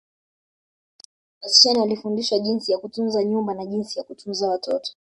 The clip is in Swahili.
Wasichana walifundishwa jinsi ya kutunza nyumba na jinsi ya kutunza watoto